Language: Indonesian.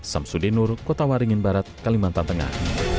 sam sudinur kota waringin barat kalimantan tengah